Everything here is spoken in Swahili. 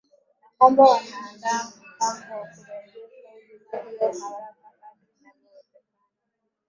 na kwamba wanaandaa mpango wa kurejesha huduma hiyo haraka kadri itakavyowezekana